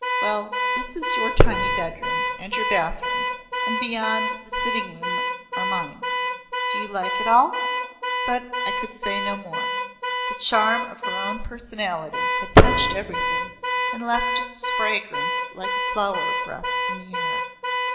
Well, this is your tiny bedroom, and your bathroom, and beyond the sitting room are mine. Do you like it all?" But I could say no more. The charm of her own personality had touched everything and left its fragrance like a flower breath in the air.